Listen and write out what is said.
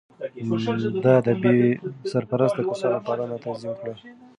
ده د بې سرپرسته کسانو پالنه تنظيم کړه.